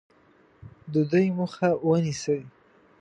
د دوی مخه ونیسي.